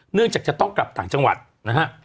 เนื่องจากจะต้องกลับต่างจังหวัดนะครับ